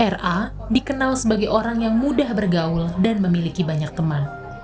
ra dikenal sebagai orang yang mudah bergaul dan memiliki banyak teman